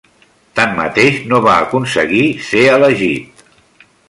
Tanmateix, no va aconseguir ser elegit.